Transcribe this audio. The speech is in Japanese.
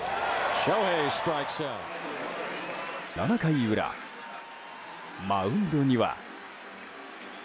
７回裏、マウンドには。